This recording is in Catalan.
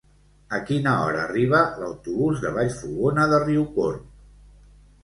A quina hora arriba l'autobús de Vallfogona de Riucorb?